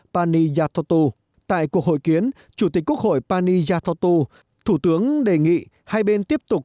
pani yathotu tại cuộc hội kiến chủ tịch quốc hội pani yathotu thủ tướng đề nghị hai bên tiếp tục